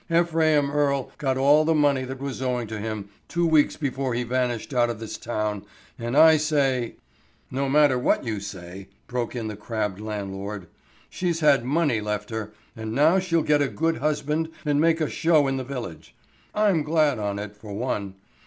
Ephraim Earle got all the money that was owing to him two weeks before he vanished out of this town, and I say——" "No matter what you say," broke in the crabbed landlord. "She's had money left her, and now she'll get a good husband, and make a show in the village. I'm glad on it, for one.